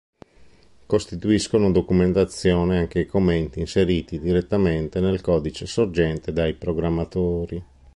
Costituiscono documentazione anche i commenti inseriti direttamente nel codice sorgente dai programmatori.